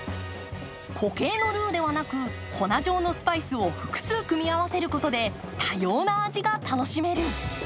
固形のルウではなく粉状のスパイスを複数組み合わせることで多様な味が楽しめる。